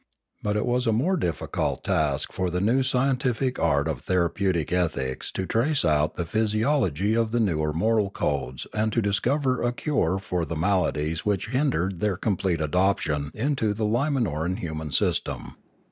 But it was a more difficult task for the new scientific art of therapeutic ethics to trace out the physiology of the newer moral codes and to dis cover a cure for the maladies which hindered their complete adoption into the Limanoran human system.